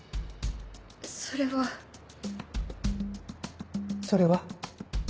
それは。それは？